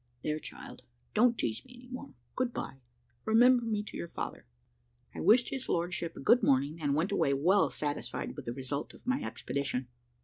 "There, child, don't tease me any more. Good bye; remember me to your father." I wished his lordship a good morning, and went away well satisfied with the result of my expedition.